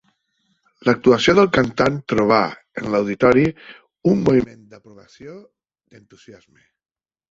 L'actuació del cantant trobà, en l'auditori, un moviment d'aprovació, d'entusiasme.